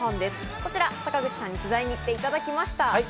こちら、坂口さんに取材に行っていただきました。